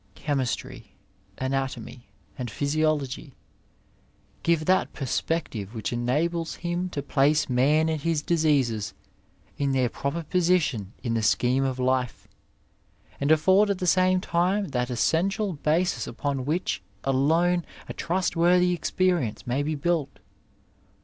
Chemistry, anatomy and physiology give that perspective which enables him to place man and his diseases in their proper position in the scheme of life, and afiord at the same time that essential basis upon which alone a trustworthy experience may be built.